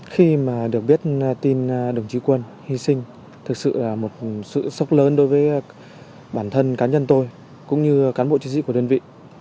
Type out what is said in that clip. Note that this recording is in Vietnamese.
khi mà được biết tin đồng chí quân hy sinh thực sự là một sự sốc lớn đối với bản thân cá nhân tôi cũng như cán bộ chiến sĩ của đơn vị